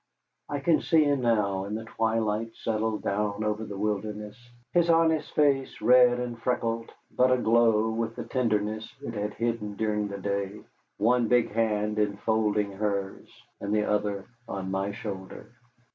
I can see him now, as the twilight settled down over the wilderness, his honest face red and freckled, but aglow with the tenderness it had hidden during the day, one big hand enfolding hers, and the other on my shoulder.